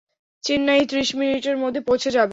চেন্নাইয়ে ত্রিশ মিনিটের মধ্যে পৌঁছে যাবে।